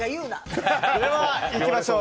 それではいきましょう。